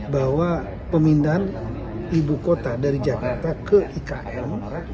bahwa pemindahan ibu kota dari jakarta ke ikn